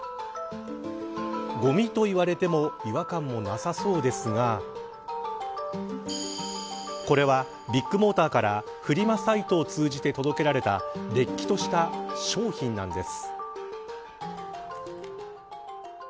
ごみと言われても違和感もなさそうですがこれは、ビッグモーターからフリマサイトを通じて届けられたれっきとした商品なんです。